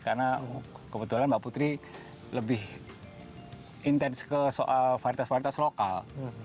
karena kebetulan mbak putri lebih intens ke soal varitas varitas lokal